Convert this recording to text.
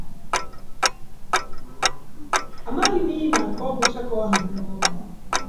Njem mkpọtụrụ ahụ bụ nke Gọvanọ Obianọ gara oge ọ na-aga mmemme n'otu ebe